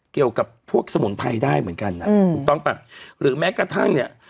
เกี่ยวกับพวกสมุนไพรได้เหมือนกันอ่ะอืมถูกต้องป่ะหรือแม้กระทั่งเนี่ย